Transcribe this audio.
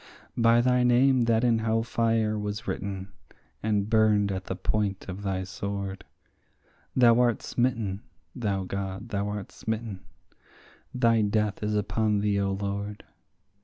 By thy name that in hell fire was written, and burned at the point of thy sword, Thou art smitten, thou God, thou art smitten; thy death is upon thee, O Lord.